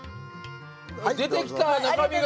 出てきた中身が！